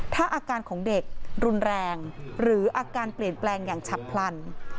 ถ้าอาการของเด็กรุนแรงหรืออาการเปลี่ยนแปลงอย่างฉับพลัน